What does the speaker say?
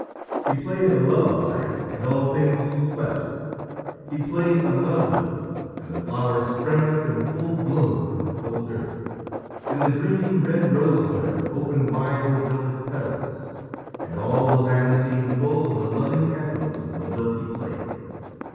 He played a lullaby, and all things slept. He played a love lilt, and the flowers sprang up in full bloom from the cold earth, and the dreaming red rosebud opened wide her velvet petals, and all the land seemed full of the loving echoes of the lilt he played.